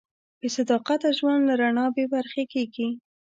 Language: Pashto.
بېصداقته ژوند له رڼا بېبرخې کېږي.